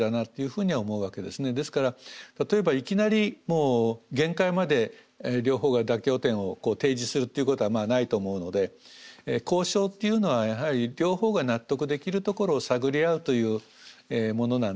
ですから例えばいきなりもう限界まで両方が妥協点を提示するっていうことはまあないと思うので交渉っていうのはやはり両方が納得できるところを探り合うというものなんでね。